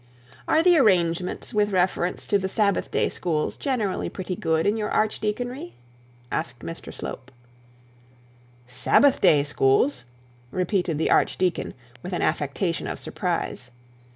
'Are the arrangements with reference to the Sabbath day schools generally pretty good in your archdeaconry?' 'Sabbath day schools!' repeated the archdeacon with an affectation of surprise.